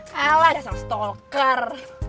kalah ada sama stalker